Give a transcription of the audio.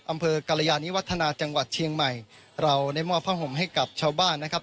กรยานิวัฒนาจังหวัดเชียงใหม่เราได้มอบผ้าห่มให้กับชาวบ้านนะครับ